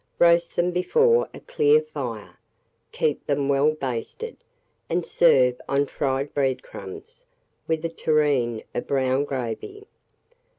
Roast them before a clear fire, keep them well basted, and serve on fried bread crumbs, with a tureen of brown gravy.